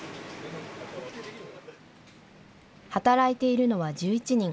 働いているのは１１人。